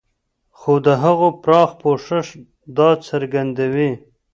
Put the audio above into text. خو د هغو پراخ پوښښ دا څرګندوي.